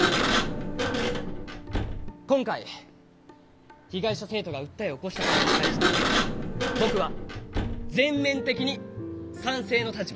今回被害者生徒が訴えを起こした事に対して僕は全面的に賛成の立場です。